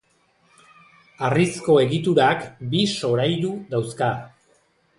Harrizko egiturak bi solairu dauzka.